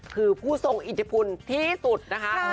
คือผู้ทรงอิทธิพลที่สุดนะคะ